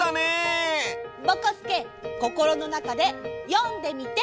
ぼこすけこころのなかでよんでみて。